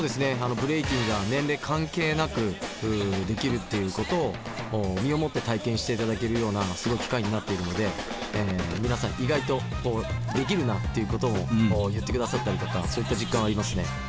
ブレイキンが年齢関係なくできるっていうことを身をもって体験して頂けるようなすごい機会になっているので皆さん意外とできるなっていうことを言って下さったりとかそういった実感はありますね。